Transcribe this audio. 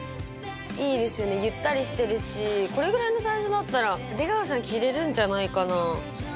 いいですよねゆったりしてるしこれぐらいのサイズだったら出川さん着れるんじゃないかな。